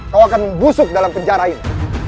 kau akan membusuk dalam penjarain